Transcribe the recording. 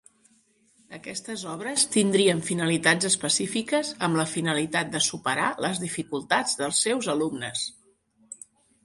Aquestes obres tindrien finalitats específiques amb la finalitat de superar les dificultats dels seus alumnes.